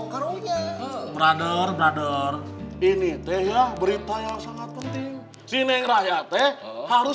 kumesel conya venor bener ini teh berita yang sangat penting jinin rakyat teh harus